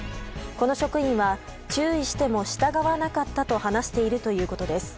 この職員は注意しても従わなかったと話しているということです。